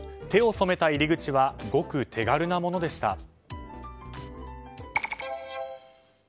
手を染めた入り口はごく手軽なものでした。